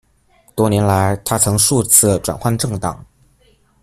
多年来，他曾数次转换政党。